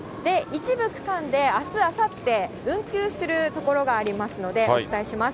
一部区間であす、あさって、運休する所がありますので、お伝えします。